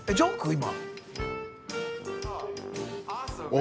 今。